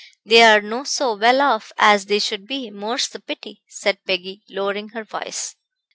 They are no so well off as they should be, more's the pity," said Peggy, lowering her voice.